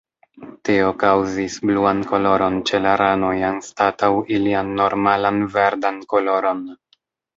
Tio kaŭzis bluan koloron ĉe la ranoj anstataŭ ilian normalan verdan koloron.